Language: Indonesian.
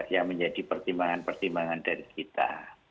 yang menjadi pertimbangan pertimbangan dari kita